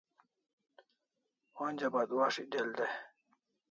Onja batwas'ik del dai